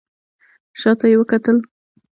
شا ته یې وکتل.